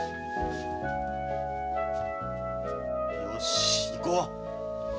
よし行こう。